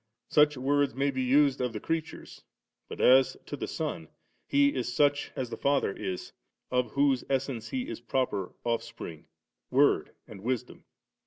Such words may be used of the creatures ; but as to the Son, He b such as the Father is, of whose essence He is proper Oflfspring, Word, and Wisdom 9.